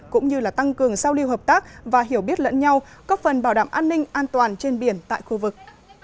cũng như là tăng cường giao lưu hợp tác và hiểu biết lẫn nhau góp phần bảo đảm an ninh an toàn trên biển tại khu vực